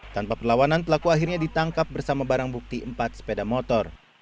tanpa perlawanan pelaku akhirnya ditangkap bersama barang bukti empat sepeda motor